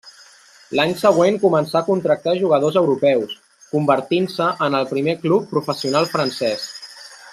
L'any següent començà a contractar jugadors europeus, convertint-se en el primer club professional francès.